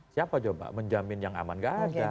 siapa coba menjamin yang aman nggak ada